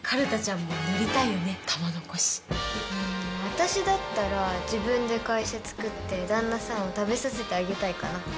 私だったら自分で会社つくって旦那さんを食べさせてあげたいかな。